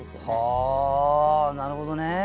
はあなるほどね。